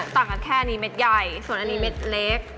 ต่างกันแค่นี้เม็ดใหญ่ส่วนอันนี้เม็ดเล็ก